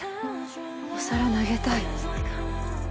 お皿投げたい。